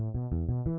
kok pas gini ah